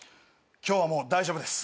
今日はもう大丈夫です。